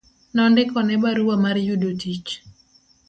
Nondikone barua mar yudo tich